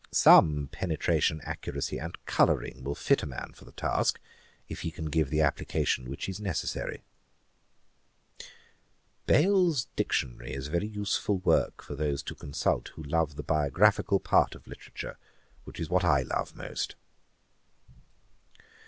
Some penetration, accuracy, and colouring will fit a man for the task, if he can give the application which is necessary.' 'Bayle's Dictionary is a very useful work for those to consult who love the biographical part of literature, which is what I love most.'